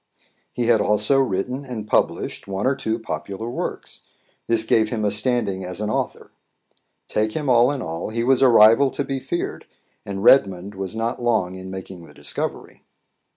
He had also written and published one or two popular works; this gave him a standing as an author. Take him all in all, he was a rival to be feared, and Redmond was not long in making the discovery.